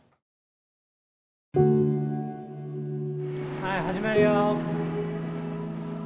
はい始めるよ。